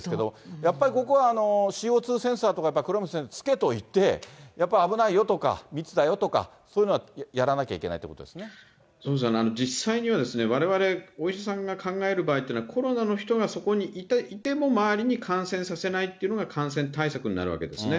やっぱり、ここはＣＯ２センサーとか、倉持先生、つけておいて、やっぱり危ないよとか、密だよとか、そういうのはやらなきゃいけそうですね、実際には、われわれお医者さんが考える場合というのは、コロナの人がそこにいても周りに感染させないというのが感染対策になるわけですね。